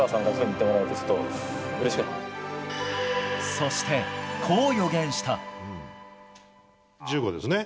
そして、こう予言した。